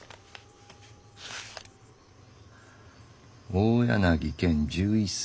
「大柳賢１１歳。